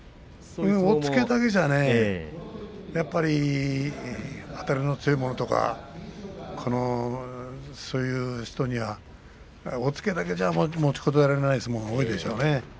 押っつけだけだとねあたりの強い者とかそういう人には押っつけだけでは持ちこらえられない相撲が多いでしょうね。